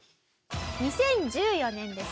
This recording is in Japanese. ２０１４年です。